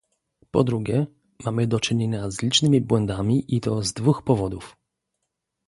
Po drugie, mamy do czynienia z licznymi błędami i to z dwóch powodów